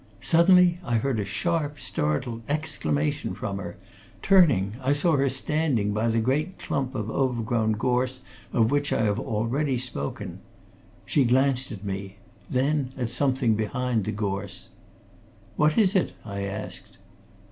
Suddenly I heard a sharp, startled exclamation from her. Turning, I saw her standing by the great clump of overgrown gorse of which I have already spoken. She glanced at me; then at something behind the gorse. "What is it?" I asked.